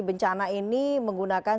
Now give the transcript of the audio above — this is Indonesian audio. bencana ini menggunakan